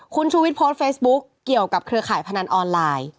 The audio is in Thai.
คุณชูวิทย์โพสต์เฟซบุ๊กเกี่ยวกับเครือข่ายพนันออนไลน์